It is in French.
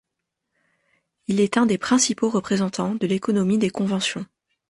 Il est un des principaux représentant de l'économie des conventions.